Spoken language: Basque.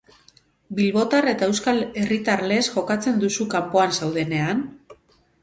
Bilbotar eta euskal herritar lez jokatzen duzu kanpoan zaudenean?